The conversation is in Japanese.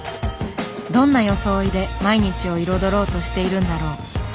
どんな装いで毎日を彩ろうとしているんだろう。